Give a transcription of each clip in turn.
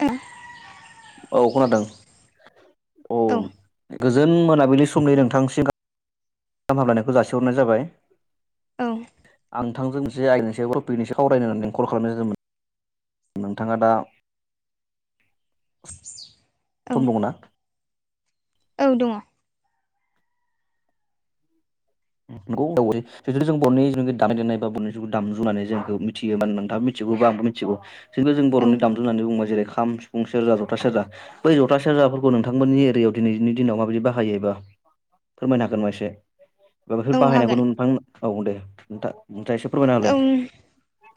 औ औ खोनादों औ गोजोन मोनाबिलि समनि नोंथांसिम गाहामम हामलायनायखौ जासिहरनाय जाबाय औ आं नोंथांजों जे आंनि सायाव टपिकनि सावरायनो होननानैसो कल खालामनाय जादोंमोन नोंथाङा दा सम दङना औ दङ गौ दं जे [unintelligible] जों बर'नि जों दामनाय देनाय बा बर'नि दामजु जोंखौ मिथियो मानोना नोंथाङा मिथि जोबोबा आंबो मिथिगौ खिनथु जों बर'नि औ दाममु होननानै बुंबाथाय खाम सिफुं सेरजा ज'था सेरजा बै जथा सेरजाफोरखौ नोंथांमोननि एरियाव दिनैनि दिनाव माबायदि बाहायो एबा फोरमायनो हागोन नामा एसे हा बेफोर बाहायनायखौ हागोन नोंथां औ दे नोंथां एसे फोरमायना होलाय ओम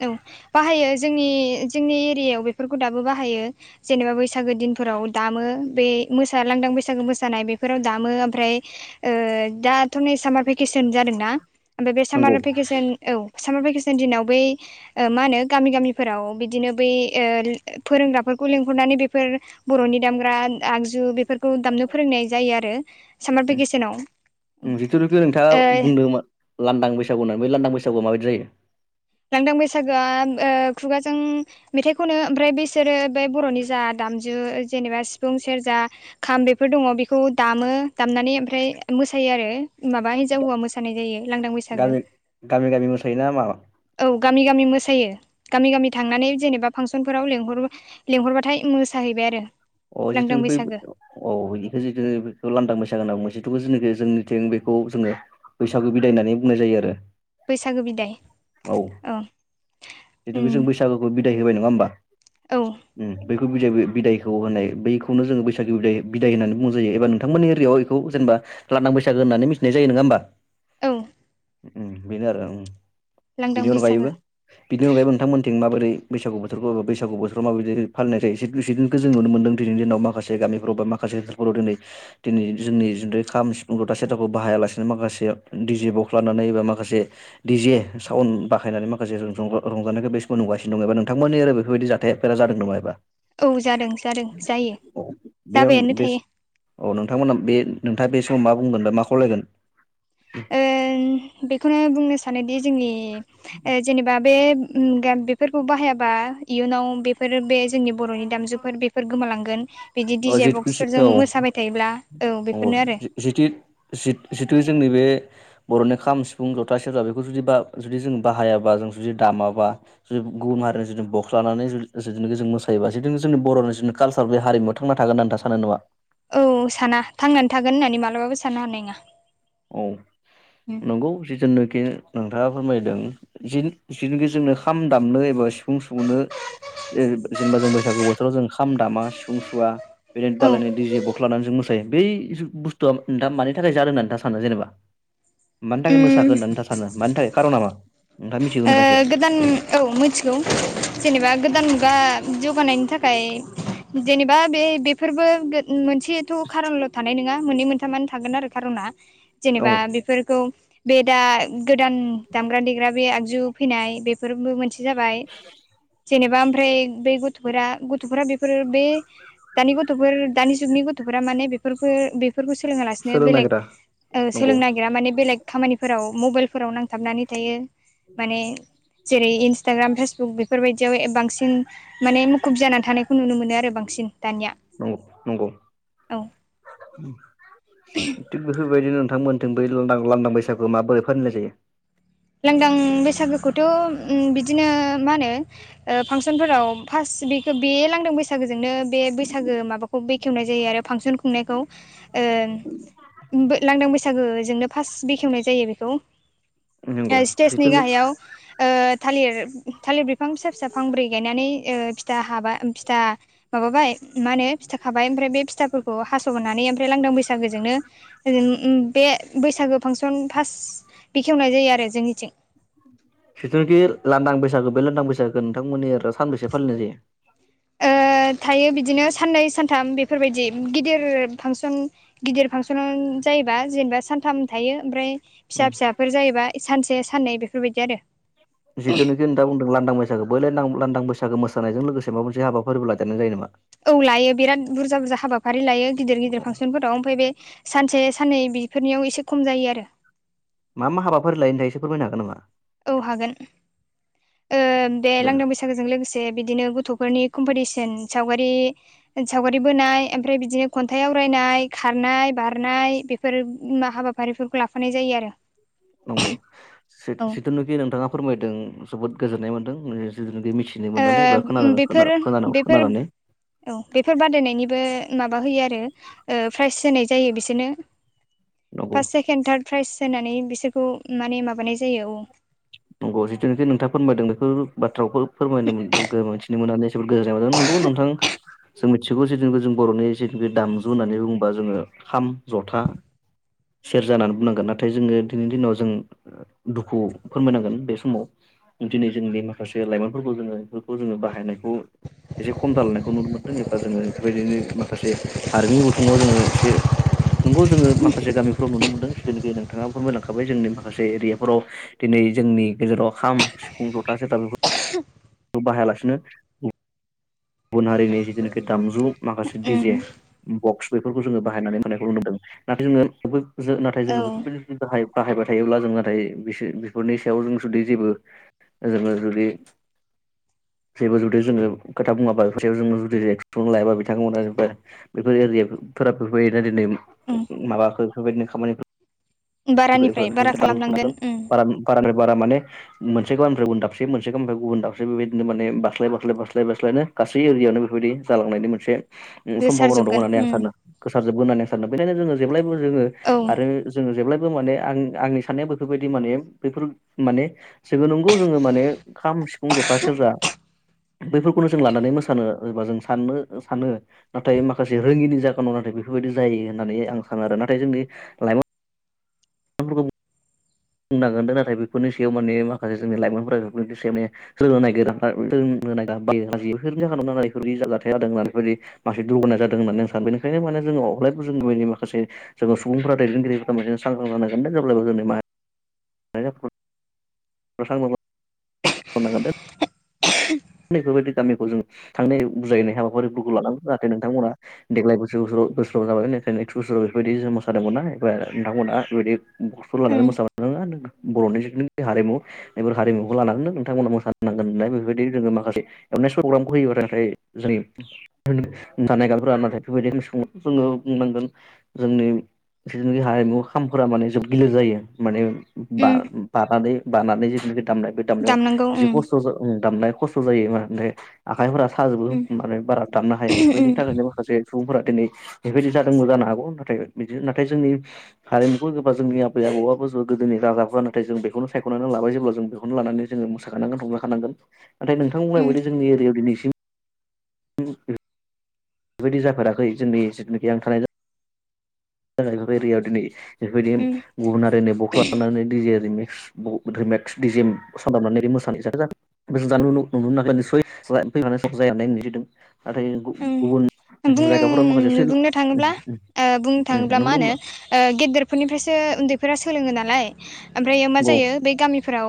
औ बाहायो जोंनि जोंनि एरियायाव बेफोरफोरखौ दाबो बाहायो जेनेबा‌ बैसागु दिनफोराव दामो बे [unintelligible] लांदां बैसागु मोसानाय बेफोराव दामो ओमफ्राय ओ दाथ' नै सामार भेकेसन जादोंना ओमफ्राय बे नंगौ सामार भेकेसन औ सामार भेकेसननि दिनाव बै मा होनो गामि गामिफोराव बिदिनो बै ओ फोरोंग्राफोर लेंहरनानै बेफोर बर'नि दामग्रा आग आगजु बेफोरखौ दामनो फोरोंनाय जायो आरो सामार उम भेकेसनाव। जिथुनोखि नोंथाङा ओ बुंदों लांदां बैसागु होननानै बे लांदां बैसागुआव माबदि जायो? लांदां बैसागोआ ओ खुगाजों मेथाइ खनो ओमफ्राय बेसोरो बे बर'नि जा दा दामजु जेनेबा सिफुं सेरजा खाम बेफोरखौ दङ' बेखौ दायो। दामनानै आमफ्राय मोसायो आरो माबा हिनजाव हौवा मोसानाय जायो लांदां बैसागो। गामि गामि गामि मोसायोना माबा? औ गामि गामि मोसायो गामि गामि थांनानै जेनेबा फांसनफोराव लेंहर लेंहरबाथाय मोसा जाहैबाय आरो। अ जिथु लांदां बे बैसागो अ बेखौ जिथु बेखौ लान्दा मोसागो होनना मोनसे [unintelligible] जेनाखि जोंनिथिं बेखौ जोङो बैसागु बिदाय होननानै बुंनाय जायो आरो। बैसागु बिदाय औ। बिदिनो जों उम बैसागुखौ बिदाय होबाय नङा होमबा? औ ओम बैखौ बिदाय बिदायखौ होननाय बैखौनो जोङो बैसागु बिदाय बिदाय होननानै बुंनाय जायो एबा नोंथांमोननि एरियायाव इखौ जेनेबा लादां बैसागो होननानै मिथिनाय जायो नङा होमबा? औ। ओम बेनो आरो ओम लांदां बेनि अनगायैबो बैसागो बिनि अनगायैबो नोंथांमोनथिं माबोरै बैसागु बोथोरखौ बैसागु बोथोर माबायदि फालिनाय जायो एसे दिनखौ जों नुनो मोनदों दि दिनाव माखासे गामिफ्राव बा माखासे गामिफोराव‌ दिनै दिनै जोंनि [unintelligible] खाम सिफुंखौ जथा सेेरजाखौ बाहाया ला माखासे डिजे बख्स लानानै एबा माखासे डिजे साउन्ड बाहायनानै माखासे रंजा रंजानायखौ बे समाव नुगासिनो दङ एबा नोंथांमोननि एरै बेफोरबादि जाथाया जादों नामा एबा [inaudible] औ जादों जादों जायो बेयाव जाबायानो बे थायो औ नोंथांमोना बे नोंथाङा बे समाव मा बुंगोन बा मा खावलायगोन? ओ बेखौनो बुंनो सानोदि जोंनि ओ जेनेबा बे बेफोरखौ बाहायाबा इयुनाव बेफोर बे जोंनि बर'नि दामजुफोर बेफोर गोमालांगोन बिदि डिजे बक्सफोरजों मोसाबाय थायोब्ला। औ अ बेफोरनो आरो जि-जिथथ-जिथ-जिथु जोंनि बे बर'नि खाम सिफुं जथा सेरजा बेखौ जुदि बा जुदि जों बाहायाबा जों जुदि दामाबा जुदि गुबुन हारिनि जुदि बक्स लानानै जुदि जुदिनोखि जों मोसायोबा जुदिनो जोंनि बर'नि जोंनि कालसार बे हारिमु थांनानै थागोन होननानै सानो नामा? औ साना थांनानै थागोन होननानै मालाबाबो साननो हानाय नङा। औ नंगौ जि जोननोखि नोंथाङा फोरमायदों जि-जिखि जोंनो खाम दामनो एबा सिफुं सुनो जे-जेनेबा जों बैसागु बोथोराव जों ओंखाम दामा सिफुं सुवा बे औ बालायनो डिजे बक्स लानानै जों मोसायो बै जो बुस्थुआ नोंथां मानि थाखाय जादों होना नोंथाङा [unintelligible] जेनेबा मानि थाखाय मोसाखो उम होननानै सानो, मानि थाखाय खार'ना मा? नोंथाङा मिथिगौ ओ नामा एसे गोदान औ मिथिगौ जेनेबा गोदान बा जौगानायनि थाखाय जेनेबा बे बेफोरबो मोनसेथ' खार'नल' थानाय नङा मोननै मोनथामानो थागोन आरो खार'ना। औ जेनेबा बेफोरखौ बे दा गोदान दामग्रा देग्रा बे आगजु फैनाय बेफोरबो मोनसे जाबाय। जेनेबा आमफ्राय बे गथ'फोरा गथ'फोरा बेफो फोर बे दानि गथ'फोर दानि जुगनि गथ'फोरा माने बेफोरखौ बेफोरखौ सोलोङालासिनो सोलोंनो बेलेग नागिरा ओ नंगौ सोलोंनो नागिरा माने बेलेग खामानिफोराव मबाइलफोराव नांथाबनानै थायो माने जेरै इन्सटाग्राम फेसबुक बेफोरबायदियाव एबा बांसिन माने मुखुब जानानै थानाय खौ नुनो मोनो आरो बांसिन दानिया नंगौ नंगौ औ। [unintelligible] थिग बेफोरबायदिनो नोंथांमोनथों बै लानदां लानदां बैसागु माबोरै फालिनाय जायो? लांदां बैसागोखौथ' ओ बिदिनो मा होनो ओ फांसनफोराव फार्स्ट बेखौ बे लांदां बैसागोजोंनो बे बैसागो माबाखौ खेवनाय जायो आरो फांसन खुंनायखौ ओ लांदां बैसागोजोंनो फार्स्ट बेखेवनाय जायो बेखौ। नंगौ ओ स्टेजनि जिथुनु गाहायाव ओ थालिर थालिर बिफां फिसा फिसा फांब्रै गायनानै ओ फिथा हाबाय फिथा माबाबाय मा होनो फिथा खाबाय ओमफ्राय बे फिथाफोरखौ हासनानै ओमफ्राय लांदां बैसागोजोंनो [unintelligible] बे बैसागो फांसन फार्स्ट बेखेवनाय जायो आरो जोंनिथिं जिथुनाखि लांदां बैसागो बे लांदां बैसागोखो नोंथांमोननि ओरै सानबैसे फालिनाय जायो? ओ थायो बिदिनो साननै सान थाम बेफोरबायदि गिदिर फांसन गिदिर फांसन जायोबा जेनेबा सानथाम थायो ओमफ्राय फिसा फिसाफोर जायोबा सानसे साननै बेफोरबायदि आरो जिथुनोखि नोंथा बुंदों लांदां बैसागो बहाय लांदां लादां बैसागो बैसागो मोसानायजों लोगोसे माबा मोनसे हाबाफारिबो लादेरनाय जायो नामा? औ लायो बिराद बुरजा बुरजा हाबाफारि लायो गिदिर गिदिर फांसनफोराव ओमफ्राय बे सानसे साननै बेफोरनियाव एसे खम जायो आरो मा मा हाबाफारि लायो नोंथाङा एसे फोरमायनो हागोन नामा? औ हागोन ओ बे लांदां बैसागोजों लोगोसे बिदिनो गथ फोरनि कमपिथिसन सावगारि सावगारि बोनाय ओमफ्राय बिदिनो खन्थाइ आवरायनाय खार नाय बारनाय बेफोर हाबाफारिफोरखौ लाफानाय जायो आरो नंगौ जित औ जितुनोखि नोंथाङा फोरमायदों जोबोद गोजोननाय मोनदों लोगोसे ओ बेफोरो बेफोर खोनानानै औ बेफोर बादायनायनिबो माबा होयो आरो ओ प्राइज होनाय जायो बिसोरनो नंगौ फार्स्ट सेकेणड थार्ड प्राइज होनानै बिसोरखौ माने माबानाय जायो औ नंगौ जितुनोखि नोंथाआ फोरमायदों बेफोर बाथ्राखौ फोरमायदोंमोन मिथिनो मोननानै जोबोद गोजोननाय मोनदों नंगौ नो नोंथां जों मिथिगौ जिथुनिखि जों बरनि जिथुखि दामजु होननानै बुङोबा जोङो खाम जथा सेरजा होननानै बुंनांगोन नाथाय जोङो दिनैनि दिनाव जों दुखु फोरमायनांगोन बे समाव दिनै जोंनि माखासे लाइमोनफोरखौ जोङो बेफोरखौ जोङो बाहायनायखौ एसे खम जालांयनायखौ नुनो मोन्दों एबा जोङो बेफोरबायदिनो माखासे हारिमु गुथुमाव जोङो एसे नोंगौ जोङो माखासे गामिफ्राव नुनो मोनदों जितुनोखि नोंथाङा फोरमायलांखाबाय जोंनि माखासे एरियाफोराव दिनै जोंनि गेजेराव खाम सिफुं जथा सेरजा बेफोर बाहायालासिनो गुबुन हारिनि जितुनोखि दामजु माखासे डिजे उम बक्स बेफोरखौ जोङो बाहायनानै होनायखौ नुनो मोनदों नाथाय जोङो बेफोर जों नाथाय जोङो औ [unintelligible] बाहायबाय थायोब्ला जों नाथाय बिसोर बेफोरनि सायाव जों जुदि जेबो [unintelligible] जुदि जेबो जुदि जोङो खोथा बुङाबा [unintelligible] जोङो जुदि एक्सन लायाबा बिथांमोना बेफोर एरिया फोरा बेफोरबायदिनो दिनै उम माबाखो इफोरबायदिनो खामानिफोर बारानिफ्राय बारा खालामनांगोन उम [unintelligible] बारा माने मोनसे गामानिनिफ्राय गुबुन दाबसे मोनसे गामिनिफ्राय गुबुन दाबसे बेफोरबायदिनो माने बास्लाय बास्लाय बास्लाय बास्लायनो गासै एरियायावनो बेबायदि जालांनायनि मोनसे ओम सम्भाबनाव दं गोसारजोबगोन होननानै आं उम सानदों गोसार जोबगोन होननानै आं सानदों बेखायनो जोङो जेब्लायबो जोङो औ आरो जोङो जेब्लाय बो माने आं आंनि साननाया बेफोरबायदि माने बेफोर माने जेबो नंगौ जोङो माने खाम सिफ फुं जथा सेरजा बैफोरखौनो जों लानानै मोसानो एबा जों साननो सानो नाथाय माखासे रोङिनि जाहोनाव आरो बेफोरबायदि जायो होननानै आं सानो आरो नाथाय जोंनि लाइमोन फोरखौ ब बुंनांगोन दे नाथाय बेफोरनि सायाव माने माखासे जोंनि लाइमोनफोरा बेफोरनि सायाव माने सोलोंनो नागिरा [unintelligible] [unintelligible] बेफोरनि जाहोनाव बेफोरबायदि जाथाय जादों होननानै बेफोरबायदि म [unintelligible] बेनिखायनो माने जों अब्लायबो जों माखासे जों सुबुंफोरा दैदेनगिरिफोरा सांग्रां लानांगोन दे जेब्लाबो जोंनि मा [unintelligible] [unintelligible] बेफोरबायदि गामिखौ जों थांनाय बुजायनाय हाबाफारिफोरखौ लानांगौ जाहाथे नोंथांमोना देग्लाय बोसोर बोसोराव बोसोराव जाबाय बेनिखायनो नेक्स्ट बोसोराव बेबायदि जो मोसानो मोना नोंथांमोना बेफोरबायदि गथफोर लानानै उम मोसा [unintelligible] बरनि जिथुनाखि हारिमु इफोर हारिमुखौ लानानैनो नोंथांमोना मोसानांगोन होननाय बेफोरबायदि जोङो माखासे [unintelligible] प्रग्रामखौ होयो आरो नाथाय जोंनि जानाय [unintelligible] नाथाय बेफोरबायदि जोङो बुंनांगोन जोंनि जितुनोखि हारिमु खामफोरा माने जोब‌ गिलिर जायो माने उम बा-बानानै बानानै जिथुनाखि दामनाय बे दामनायाव दामनांगौ एसे उम खस्थ जा ओम दामनाय खस्थ जायो माने आखाइफोरा साजोबो उम माने बारा दाबनो हाया बेफोरनि उम थाखायनो माखासे सुबुंफोरा दिनै बेबायदि जादोंबो जानो हागौ नाथाय बिदिनो नाथाय जोंनि हारिमुफोर एबा जोंनि आबै आबौआ जों गोदोनि राजाफोरा नाथाय जों बेखौनो सायखनानै लाबाय जेब्ला जों बेखौनो लानानै जोङो मोसाखानांगोन रंजाखानांगोन नाथाय नोंथां बुंनाय उम बायदि जोंनि एरियायाव दिनैसिम [unintelligible] बेबायदि जाफेराखै जोंनि जिथुनाखि आं थानाय जा [unintelligible] एरियायाव दिनै बेफोरबायदि उम गुबुन आरिनि बख्ला लानानै दै जेजिंनि [unintelligible] सानदाबनानै मोसानाय [unintelligible] [unintelligible] नाथाय जोंखौ बुं बुंनो थाङोब्ला बुं थाङोब्ला मा नंगौ होनो नंगौ गेदेरफोरनिफ्रायसो उन्दैफोरा सोलोङो नालाय ओमफ्रायो मा जायो बे गामिफोराव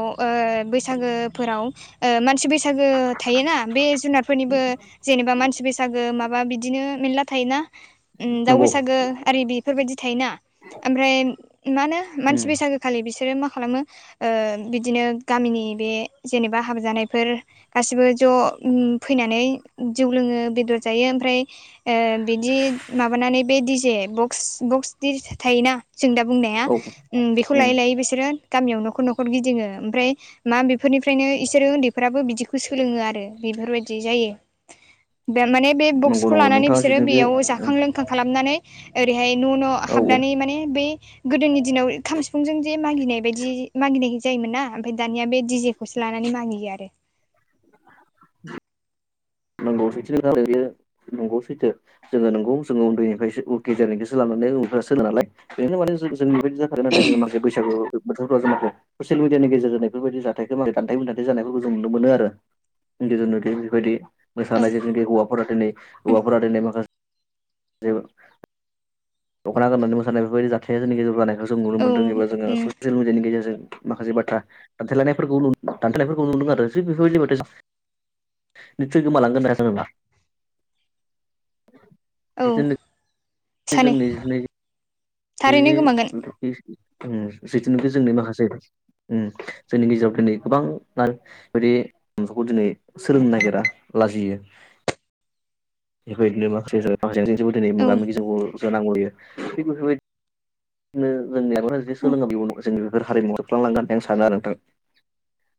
बैसागोफोराव ओ बैसागु थायोना बे जुनारफोरनिबो जेनेबो मानसि बैसागो माबा बिदिनो मेनला थायोना उम दाव नंगौ बैसागोआरि बेफोर बायदि थायोना ओफ्राय मा होनो मानसि बैसागु खालि बिसोरो मा खालामो बिदिनो गामिनि बे जेनेबा हाबा जानायफोर गासिबो ज' फैनानै जौ लोङो बेदर जायो। ओमफ्राय बिदि माबानानै बे डिजे बक्स बक्स बि थायोना जों दा बुंनाया औ बेखौ लायै लायै बिसोरो गामियाव न'खर न'खर गिदिङो ओमफ्राय मा बेफोरनिफ्रायनो इसोरो उन्दैफोराबो बिदिखौ सोलोङो आरो बेफोरबायदि जायो। [inaudible] द माने बे नंगौ बक्सखौ नंगौ लानानै नोंथाङा बिसोरो जिथुनाखि बेयाव जाखां लोंखां खालाम हाबनानै ओरैहाय न' न' औ हाबनानै माने बे गोदोनि दिनाव खाम सिफुंजों जे मागिनाय बायदि मागिनाय जायोमोन ना ओमफ्राय दानिया बे दिजेखौसो लानानै मानियो आरो नंगौ सैथो नंगौ सैथो जोङो नंगौ जोङो उन्दैनिफ्रायसो [unintelligible] मान उफ [unintelligible] सो नालाय बेनो माने जों बेबायदि जाथार ना जों माखासि बैसागु बोथोरफ्राव जों मखौ ससियेल मिडियानि गेजेरजों बेफोरबायदि जाथायखौ दान्थे बिदानथे जानायफोरखौ जों नुनो मोनो आरो गोज न [unintelligible] द बेबायदि औ मोसानाय जे हौवाफोरा दिनै हौवाफोरा दिनै माखासे दख'ना गाननानै मोसानाय बेफोरबायदि जाथाय जों गेजेराव जानायखौ जों नुनो मोनदों एब जोङो औ उम ससियेल मिडियानि गेजेरजों माखासे बाथ्रा दथेलायनायफोरखौ दथेनायफोरखौ नुदों आरो थि बेफोरबायदि माथो निसय गोमालांगोन होनना औ सानो सानो जोंनि ज थारैनो गोमागोन फस [unintelligible] जथुनखि जोंनि माखासे जोंनि गेजेराव दिनै गोबां बिदि दिनै सोलोंनो नागिरा लाजियो बेफोरबायदिनो माखासे ह ज दिनै औ मोगा मोगि जौग जानांगौयो थि बेफोरबायदि [unintelligible] ज [unintelligible] नो जोंनि आगुफोरा जुदि उम सोलोङो बे उनाव जों बेफोर हारिमु होबफ्लांलांगोन होननानै आं सानो आरो नोंथां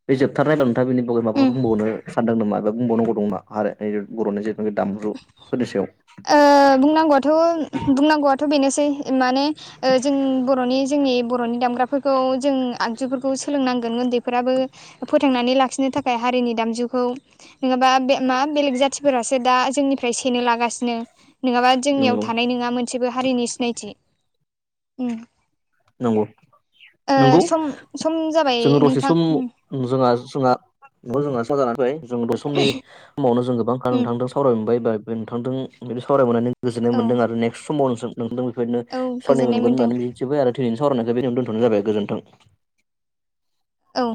बे जोबथारनायल्ला नोंथाङ बिनि बागै माबाफोर उम बुंबावनो सानदों नामा एबा बुंबावनांगौ दंबामा आरो बर'नि जिथुनाखि दामजुफोरनि सायाव बुंनांगौआथ' बुंनांगौआथ' बेनोसै माने जों बर'नि जोंनि बर'नि दामग्राफोरखौ जों आगजु खौ सोलोंनांगोन उन्दैफोराबो फोथांनानै लाखिनो थाखाय हारिनि दामजुखौ। नङाबा बे मा बेलेग जाथिफोरासो दा जोंनिफ्राय सेनो लागासिनो। नोङाबा जोंनियाव नंगौ थानाय नङा मोन सेबो हारिनि सिनायथि। ओम। नंगौ। नंगौ सम जाबाय जोङो दसे नोंथां सम उम जों जोंहा जोंहा [unintelligible] जों दसे समनि समावनो जों गोबां उम नोंथांदों सावराय बाय बाय नोंथांदों बिदि सावरायनो मोननानै गोजोन्नाय औ मोनदों आरो नेक्स्ट समावो जों नों बेबादिनो औ सावरायनो गोजोननाय मोनगोन मोनदों होन्नानै मिजंथिबाय आरो दिनैनि सावरायनायखौ बे खिनियावनो दोनथ'नाय जाबाय गोजोन्थों। औ।